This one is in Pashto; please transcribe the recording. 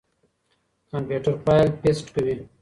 کمپيوټر فايل پېسټ کوي.